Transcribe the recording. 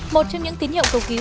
một trong những tín hiệu cầu cứu